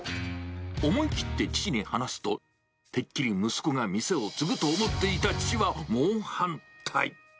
思い切って父に話すと、てっきり息子が店を継ぐと思っていた父は猛反対。